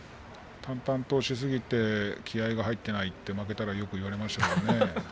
淡々としすぎて気合いが入っていないと負けたらよく言われましたけれどもね。